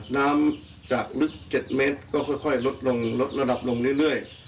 น้ำจากลึก๗เมตรก็ค่อยลดลงลดระดับลงเรื่อย